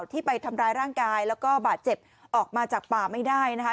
ที่ไปทำร้ายร่างกายแล้วก็บาดเจ็บออกมาจากป่าไม่ได้นะคะ